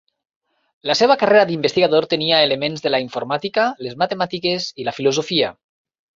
La seva carrera d'investigador tenia elements de la informàtica, les matemàtiques i la filosofia.